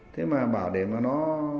thế mà bảo để mà nó